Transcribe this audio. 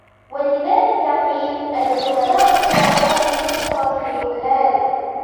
وَلِذَلِكَ قِيلَ الْعُلَمَاءُ غُرَبَاءُ لِكَثْرَةِ الْجُهَّالِ